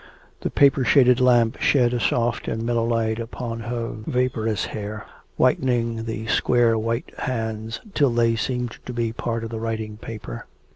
The paper shaded lamp shed a soft and mellow light upon her vaporous hair, whitening the square white hands, till they seemed to be part of the writing paper.